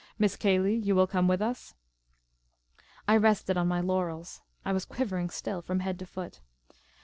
" Miss Cayley, you will come with us ?" I rested on my laurels. (I was quivering still from head to foot.)